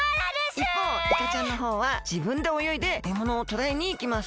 いっぽうイカちゃんのほうはじぶんでおよいでえものをとらえにいきます。